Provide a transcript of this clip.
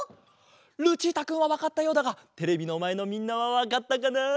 ルチータくんはわかったようだがテレビのまえのみんなはわかったかな？